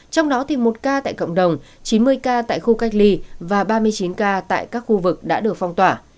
trong đó thì một ca tại cộng đồng chín mươi ca tại khu cách ly và ba mươi chín ca tại các khu vực đã được phong tỏa